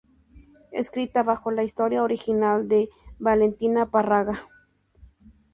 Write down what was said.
Escrita bajo la historia original de Valentina Párraga.